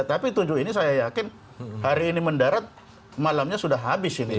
tapi tujuh ini saya yakin hari ini mendarat malamnya sudah habis ini